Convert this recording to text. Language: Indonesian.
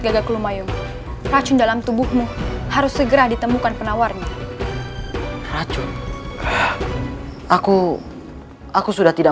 gagak lumayu racun dalam tubuhmu harus segera ditemukan penawarnya racun aku aku sudah tidak